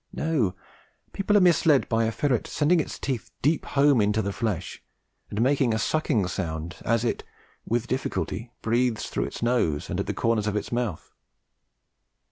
No, people are misled by a ferret sending its teeth deep home in the flesh and making a sucking sound as it with difficulty breathes through its nose and the corners of its mouth.